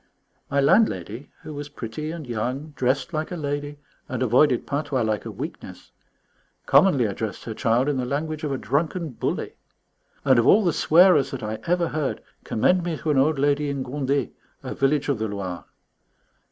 My landlady, who was pretty and young, dressed like a lady and avoided patois like a weakness, commonly addressed her child in the language of a drunken bully. And of all the swearers that I ever heard, commend me to an old lady in Gondet, a village of the Loire.